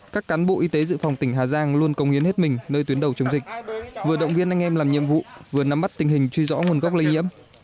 các cán bộ y tế dự phòng tỉnh hà giang luôn công hiến hết mình nơi tuyến đầu chống dịch vừa động viên anh em làm nhiệm vụ vừa nắm mắt tình hình truy rõ nguồn gốc lây nhiễm